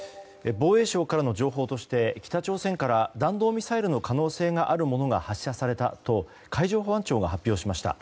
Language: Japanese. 防衛省からの情報として北朝鮮から弾道ミサイルの可能性があるものが発射されたと海上保安庁が発表しました。